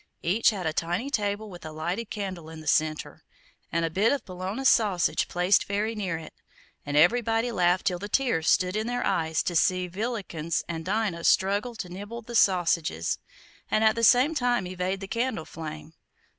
Each had a tiny table with a lighted candle in the center, and a bit of Bologna sausage placed very near it, and everybody laughed till the tears stood in their eyes to see Villikins and Dinah struggle to nibble the sausages, and at the same time evade the candle flame.